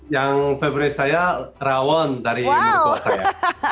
yang favorite saya rawon dari rumah saya